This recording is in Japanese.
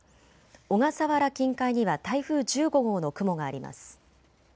小笠原近海には台風１５号の雲があります。